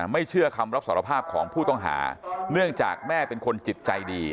ไม่เชื่อคำรับสารภาพของผู้ต้องหาเนื่องจากแม่เป็นคนจิตใจดี